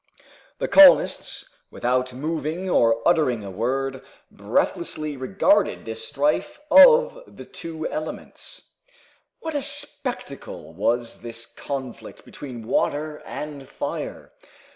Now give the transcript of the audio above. The colonists, without moving or uttering a word, breathlessly regarded this strife of the two elements. What a spectacle was this conflict between water and fire!